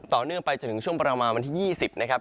ต่อเนื่องไปจนถึงช่วงประมาณวันที่๒๐นะครับ